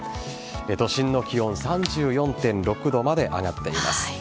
都心の気温３４．６度まで上がっています。